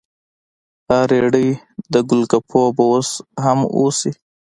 ها ریړۍ د ګول ګپو به اوس هم اوسي؟